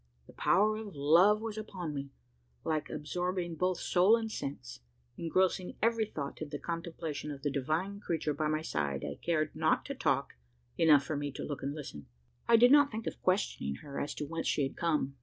The power of love was upon me, alike absorbing both soul and sense engrossing every thought in the contemplation of the divine creature by my side I cared not to talk enough for me to look and listen. I did not think of questioning her as to whence she had come.